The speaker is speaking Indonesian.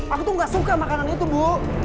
aku tuh gak suka makanan itu bu